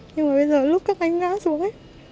nhưng mà bây giờ lúc các anh ngã xuống